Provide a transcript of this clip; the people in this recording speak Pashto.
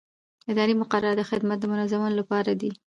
اداري مقررات د خدمت د منظمولو لپاره دي.